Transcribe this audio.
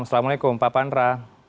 assalamualaikum pak pandra